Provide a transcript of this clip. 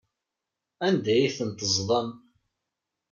Anda ay ten-teẓḍam?